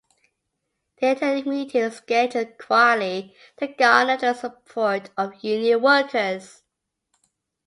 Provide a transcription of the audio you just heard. They attended meetings scheduled quietly to garner the support of union workers.